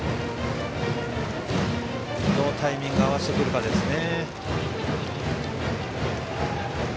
どうタイミングを合わせてくるかですね。